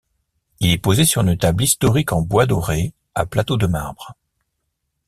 Il est posé sur une table historique en bois doré à plateau de marbre.